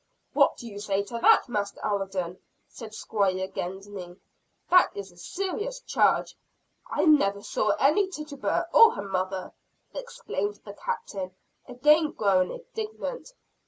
"What do you say to that, Master Alden?" said Squire Gedney. "That is a serious charge." "I never saw any Tituba or her mother," exclaimed the Captain, again growing indignant.